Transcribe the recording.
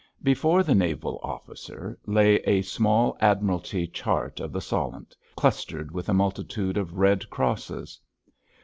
Before the naval officer lay a small Admiralty chart of the Solent clustered with a multitude of red crosses.